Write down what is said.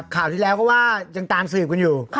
ข่าวที่แล้วก็ว่ายังตามสืบกันอยู่